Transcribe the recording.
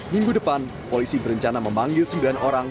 minggu depan polisi berencana memanggil sembilan orang